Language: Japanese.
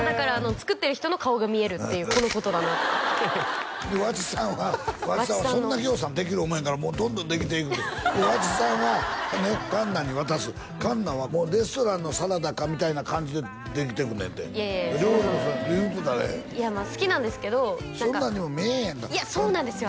「作ってる人の顔が見える」っていうこのことだなって和智さんは和智さんはそんなにぎょうさんできると思わへんからもうどんどんできていく和智さんはねっ環奈に渡す環奈はもうレストランのサラダかみたいな感じでできてくねんていやいやいやそんな料理もそれ言うてたでいや好きなんですけどそんなんに見えへんやんかいやそうなんですよ